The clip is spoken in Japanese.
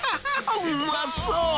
うまそう。